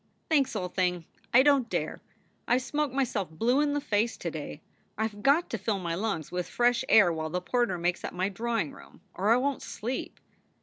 "Thanks, old thing, I don t dare. I ve smoked myself blue in the face to day. I ve got to fill my lungs with fresh air while the porter makes up my drawing room, or I won t sleep.